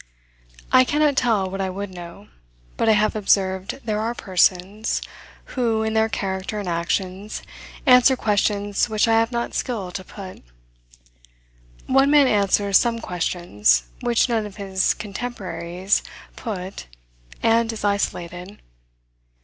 I cannot tell what I would know; but I have observed there are persons, who, in their character and actions, answer questions which I have not skill to put. One man answers some questions which none of his contemporaries put, and is isolated.